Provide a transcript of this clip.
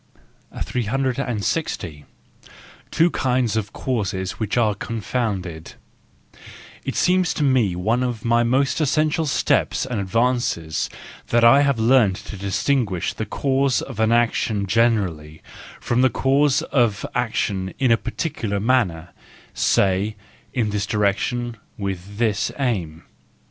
— WE FEARLESS ONES 317 360. Two Kinds of Causes which are Confounded ,— It seems to me one of my most essential steps and advances that I have learned to distinguish the cause of the action generally from the cause of action in a particular manner, say, in this direction, with this aim.